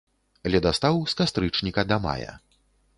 Ледастаў з кастрычніка да мая.